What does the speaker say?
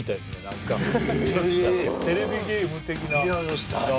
何かテレビゲーム的なあ